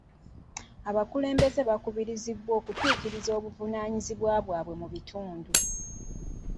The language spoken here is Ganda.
Abakulembeze bakubirizibwa okutuukiriza obuvunaanyizibwa bwabwe mu kitundu.